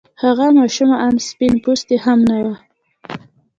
هغه ماشومه آن سپين پوستې هم نه وه.